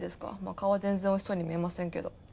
顔は全然おいしそうに見えませんけど。